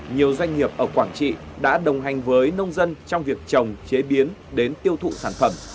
nhiều doanh nghiệp ở quảng trị đã đồng hành với nông dân trong việc trồng chế biến đến tiêu thụ sản phẩm